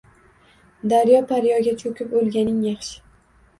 Daryo-paryoga cho‘kib o‘lganing yaxshi